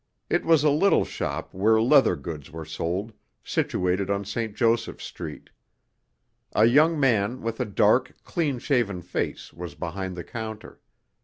It was a little shop where leather goods were sold, situated on St. Joseph Street. A young man with a dark, clean shaven face, was behind the counter.